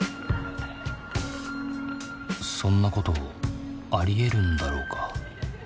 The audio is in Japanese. そんなことありえるんだろうか。